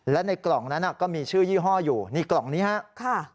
และในกล่องนั้นก็มีชื่อยี่ห้ออยู่นี่กล่องนี้ครับ